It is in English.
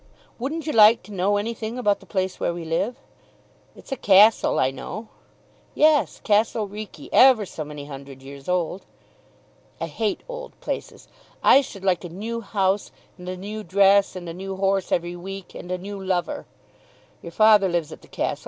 Wouldn't you like to know anything about the place where we live?" "It's a castle, I know." "Yes; Castle Reekie; ever so many hundred years old." "I hate old places. I should like a new house, and a new dress, and a new horse every week, and a new lover. Your father lives at the castle.